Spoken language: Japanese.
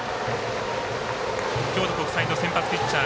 京都国際の先発ピッチャー